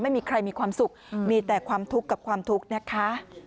ไม่มีใครมีความสุขมีแต่ความทุกข์กับความทุกข์นะคะ